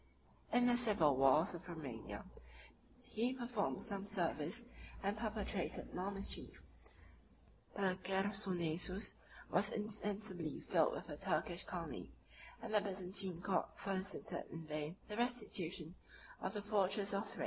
In the civil wars of Romania, he performed some service and perpetrated more mischief; but the Chersonesus was insensibly filled with a Turkish colony; and the Byzantine court solicited in vain the restitution of the fortresses of Thrace.